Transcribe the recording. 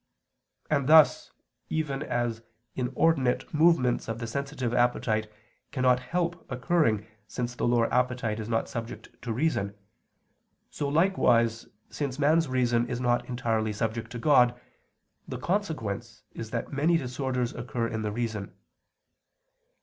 And thus, even as inordinate movements of the sensitive appetite cannot help occurring since the lower appetite is not subject to reason, so likewise, since man's reason is not entirely subject to God, the consequence is that many disorders occur in the reason.